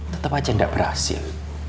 tetap aja nggak berhasil